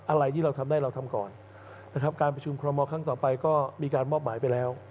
อะไรที่เราทำได้เราทำก่อนนะครับการประชุมคอรมอลครั้งต่อไปก็มีการมอบหมายไปแล้ว